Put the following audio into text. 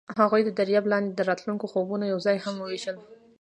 هغوی د دریاب لاندې د راتلونکي خوبونه یوځای هم وویشل.